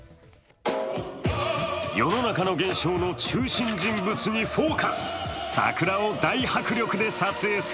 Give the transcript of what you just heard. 世の中の現象の中心人物にフォーカス。